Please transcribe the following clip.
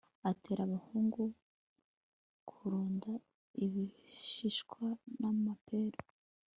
atera abahungu kurunda ibishishwa n'amapera